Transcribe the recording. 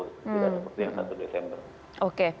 seperti yang satu desember